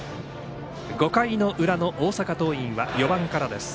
５回の裏の大阪桐蔭は４番からです。